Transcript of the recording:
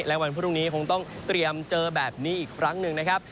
และวันพรุ่งนี้คงต้องเตรียมเจอแบบนี้อีกครั้งหนึ่งนะครับ